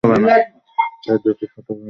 তাঁর দুটি ছোট ভাইবোন ছিল: ডায়ান এবং রবার্ট।